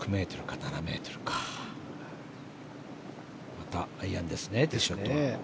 また、アイアンですねティーショットは。